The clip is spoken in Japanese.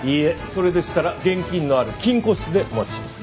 それでしたら現金のある金庫室でお待ちします。